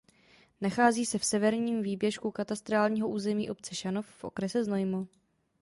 Nachází se v severním výběžku katastrálního území obce Šanov v okrese Znojmo.